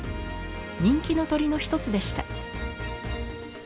人気の鳥の一つでした。